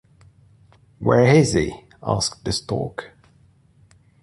Where is he? asked the Stork.